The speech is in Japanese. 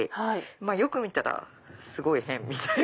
よく見たらすごい変！みたいな。